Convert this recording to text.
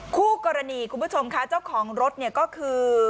คู่กรณีคุณผู้ชมค่ะเจ้าของรถเนี่ยก็คือ